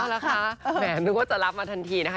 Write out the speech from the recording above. นะคะแหมนึกว่าจะรับมาทันทีนะคะ